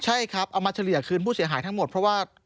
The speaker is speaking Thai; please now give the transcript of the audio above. ใช่ครับเอามาเฉลี่ยคืนผู้เสียหายทั้งหมดเพราะว่า